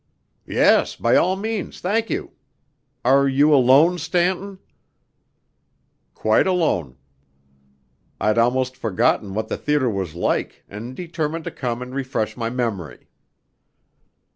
"Yes, by all means, thank you. Are you alone, Stanton?" "Quite alone. I'd almost forgotten what the theatre was like, and determined to come and refresh my memory."